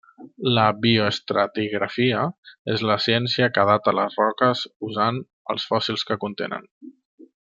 La bioestratigrafia és la ciència que data les roques usant els fòssils que contenen.